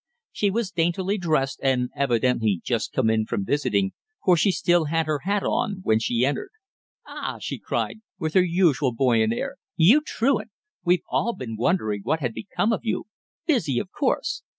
She was daintily dressed, and evidently just come in from visiting, for she still had her hat on when she entered. "Ah!" she cried, with her usual buoyant air. "You truant! We've all been wondering what had become of you. Busy, of course!